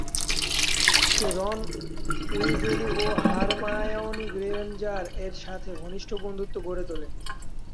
সে Ron Weasley ও Hermione Granger এর সাথে ঘনিষ্ঠ বন্ধুত্ব গড়ে তোলে।